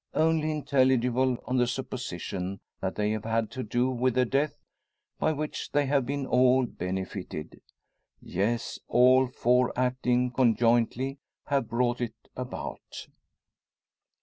Only intelligible on the supposition that they have had to do with a death by which they have been all benefited. Yes; all four acting conjointly have brought it about!